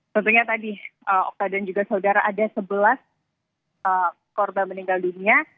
tentunya tadi okta dan juga saudara ada sebelas korban meninggal dunia